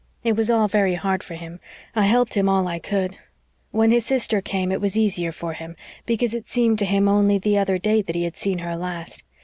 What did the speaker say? It was all very hard for him. I helped him all I could. When his sister came it was easier for him, because it seemed to him only the other day that he had seen her last.